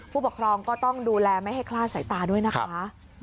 ผู้ปกครองก็ต้องดูแลไม่ให้คลาดสายตาด้วยนะคะ